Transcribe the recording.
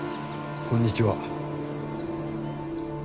こんにちは。